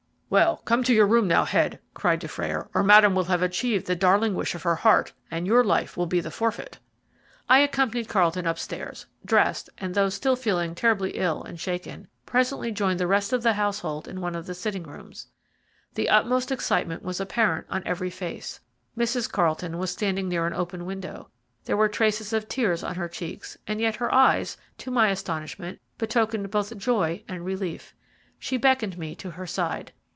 "Well, come to your room now, Head," cried Dufrayer, "or Madame will have achieved the darling wish of her heart, and your life will be the forfeit." I accompanied Carlton upstairs, dressed, and though still feeling terribly ill and shaken, presently joined the rest of the household in one of the sitting rooms. The utmost excitement was apparent on every face. Mrs. Carlton was standing near an open window. There were traces of tears on her cheeks, and yet her eyes, to my astonishment, betokened both joy and relief. She beckoned me to her side.